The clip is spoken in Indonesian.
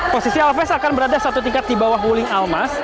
posisi alves akan berada satu tingkat di bawah wuling almas